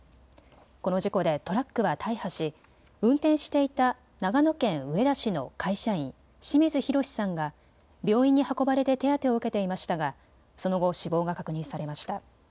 この事故でトラックは大破し運転していた長野県上田市の会社員、清水宏さんが病院に運ばれて手当てを受けていましたがその後死亡が確認されました。